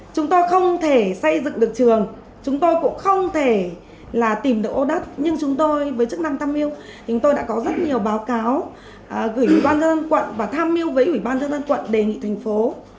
chúng tôi không thể xây dựng được trường chúng tôi cũng không thể tìm được ô đất nhưng chúng tôi với chức năng tham mưu chúng tôi đã có rất nhiều báo cáo gửi quý ban tham mưu và tham mưu với quý ban tham mưu đề nghị thành phố